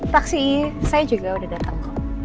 taksi saya juga udah datang